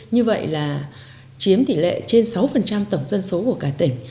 như vậy là chiếm tỷ lệ trên sáu tổng dân số của cả tỉnh